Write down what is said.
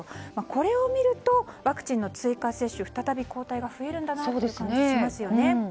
これを見るとワクチンの追加接種で再び抗体が増えるんだなという感じがしますよね。